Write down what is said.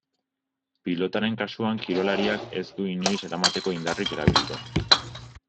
Pilotaren kasuan kirolariak ez du inoiz eramateko indarrik erabiliko.